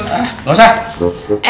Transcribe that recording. ah gak usah